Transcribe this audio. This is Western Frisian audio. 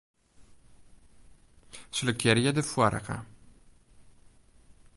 Selektearje de foarige.